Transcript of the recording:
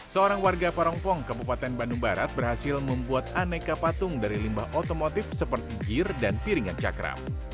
seorang warga parongpong kabupaten bandung barat berhasil membuat aneka patung dari limbah otomotif seperti gear dan piringan cakram